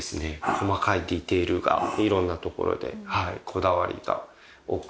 細かいディテールが色んなところでこだわりが多くて。